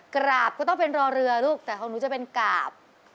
กราบก็ต้องเป็นรอเรือลูกแต่ของหนูจะเป็นกราบ